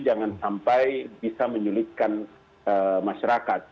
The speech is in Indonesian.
jangan sampai bisa menyulitkan masyarakat